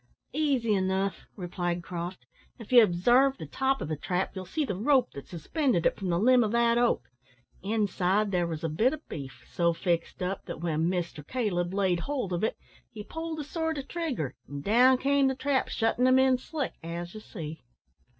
"Easy enough," replied Croft. "If ye obsarve the top o' the trap, ye'll see the rope that suspended it from the limb o' that oak. Inside there was a bit o' beef, so fixed up, that when Mister Caleb laid hold of it, he pulled a sort o' trigger, an' down came the trap, shuttin' him in slick, as ye see."